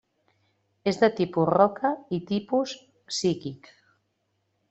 És de tipus roca i tipus psíquic.